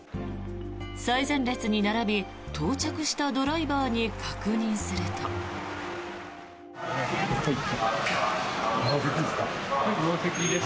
最前列に並び到着したドライバーに確認すると。